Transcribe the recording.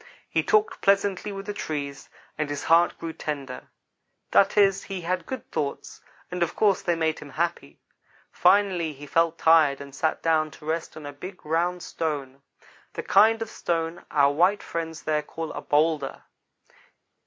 He talked pleasantly with the trees, and his heart grew tender. That is, he had good thoughts; and of course they made him happy. Finally he felt tired and sat down to rest on a big, round stone the kind of stone our white friend there calls a bowlder.